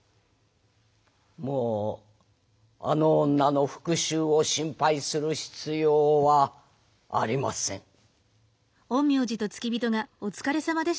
もうあの女の復讐を心配する必要はありません。